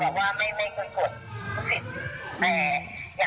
เพื่อนที่ยังไม่อีกสัปดาห์ค่ะ